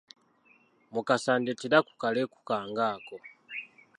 Mukasa ndeetera ku kaleku kange ako.